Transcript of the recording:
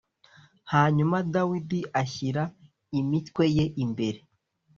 hanyuma dawidi ashyira imitwe ye imbere.